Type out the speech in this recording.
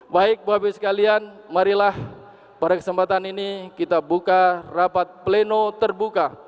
baik bapak ibu sekalian marilah pada kesempatan ini kita buka rapat pleno terbuka